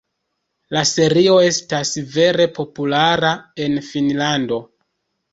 La serio estas vere populara en Finnlando.